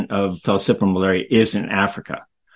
dan sembilan puluh valsipram malaria ada di afrika